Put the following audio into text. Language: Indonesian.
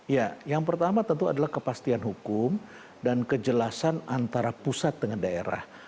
ya yang pertama tentu adalah kepastian hukum dan kejelasan antara pusat dengan daerah